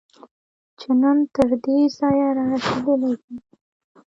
چې نن تر دې ځایه رارسېدلې ده